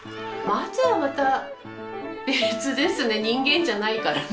松はまた別ですね人間じゃないからね。